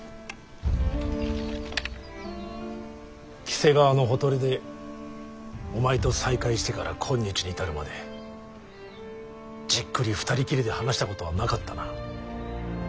黄瀬川のほとりでお前と再会してから今日に至るまでじっくり２人きりで話したことはなかったな。